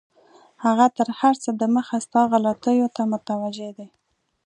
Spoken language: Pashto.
هغه تر هر څه دمخه ستا غلطیو ته متوجه دی.